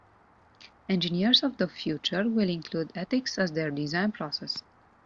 Engineers of the future will include Ethics as their design process.